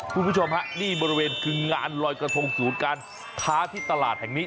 คุณผู้ชมฮะนี่บริเวณคืองานลอยกระทงศูนย์การค้าที่ตลาดแห่งนี้